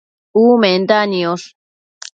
Umenda niosh